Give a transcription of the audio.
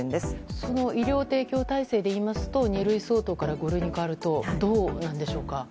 その医療提供体制で言いますと二類相当から五類に変わるとどうなんでしょうか？